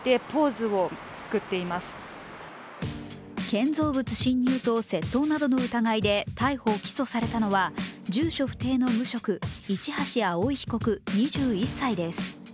建造物侵入と窃盗などの疑いで逮捕・起訴されたのは、住所不定の無職・市橋蒼被告２１歳です。